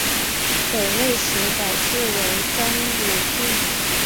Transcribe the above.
北魏时改置为章武郡。